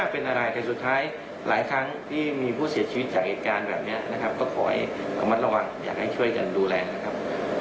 เพราะเราใช้ถนนร่วมกันนะครับ